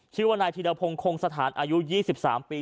ชื่อว่านายธีรพงศ์คงสถานอายุ๒๓ปี